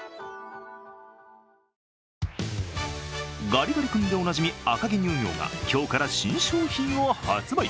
ガリガリ君でおなじみ、赤城乳業が今日から新商品を発売。